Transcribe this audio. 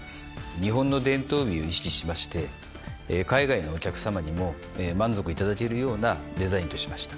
日本の伝統美を意識しまして海外のお客さまにも満足いただけるようなデザインとしました。